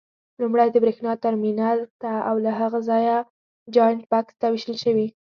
لومړی د برېښنا ترمینل ته او له هغه ځایه جاینټ بکس ته وېشل شوي.